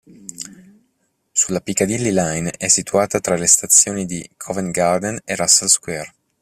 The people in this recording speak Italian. Sulla Piccadilly Line è situata tra le stazioni di Covent Garden e Russell Square.